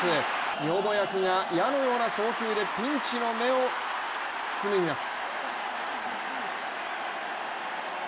女房役が矢のような送球でピンチの芽を摘みます。